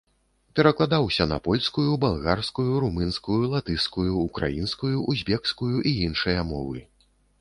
Перакладаўся на польскую, балгарскую, румынскую, латышскую, украінскую, узбекскую і іншыя мовы.